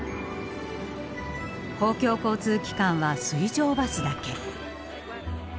公共交通機関は水上バスだけ。